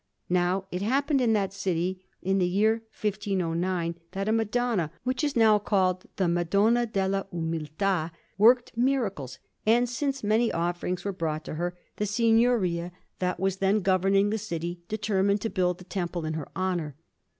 Now it happened in that city, in the year 1509, that a Madonna, which is now called the Madonna della Umiltà, worked miracles; and since many offerings were brought to her, the Signoria that was then governing the city determined to build a temple in her honour.